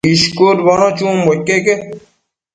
ishcudbono chunbo iqueque